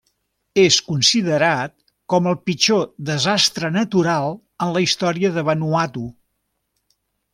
És considerat com el pitjor desastre natural en la història de Vanuatu.